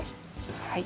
はい。